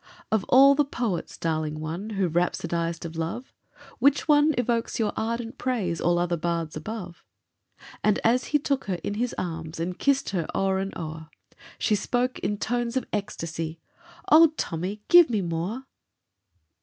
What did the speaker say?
"Of all the poets, darling one, Who've rhapsodized of love, Which one evokes your ardent praise All other bards above?" And as he took her in his arms And kissed her o'er and o'er, She spoke, in tones of ecstasy, "O Tommy, give me Moore!"